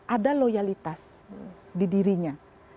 ada loyalitas di dirinya